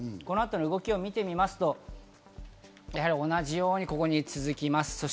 この後の動きを見てみますと、やはり同じようにここに続きます。